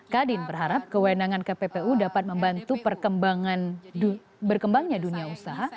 kadin berharap kewenangan kppu dapat membantu perkembangannya dunia usaha